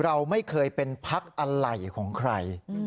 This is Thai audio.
เราไม่เคยเป็นพักอะไรของใคร